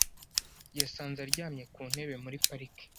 Yasanze aryamye ku ntebe muri parike .